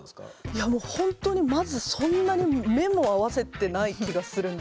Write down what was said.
いやもうほんとにまずそんなに目も合わせてない気がするんですよね。